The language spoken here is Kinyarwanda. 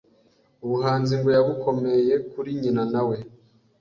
Ubuhanzi ngo yabukomeye kuri nyina na we